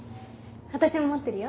私も持ってるよ。